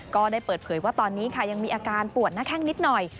ก็ได้เปิดเผยว่าตอนนี้ค่ะยังมีอาการปวดหน้าแข้งนิดหน่อย